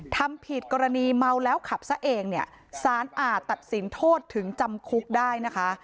ทำผิดกรณีเมาแล้วขับซะเองเนี่ยสารอาจตัดสินโทษถึงจำคุกได้นะคะ